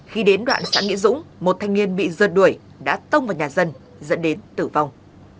khi đến đoạn xã nghĩa dũng một thanh niên bị rượt đuổi đã tông vào nhà dân dẫn đến tử vong